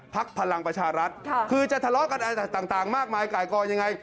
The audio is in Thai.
พลังประชารัฐคือจะทะเลาะกันอะไรต่างมากมายไก่กอยังไง